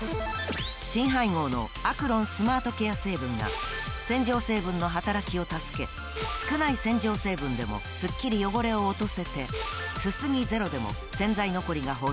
新配合のアクロンスマートケア成分が洗浄成分の働きを助け少ない洗浄成分でもスッキリ汚れを落とせてすすぎ０でも洗剤残りがほとんどないんです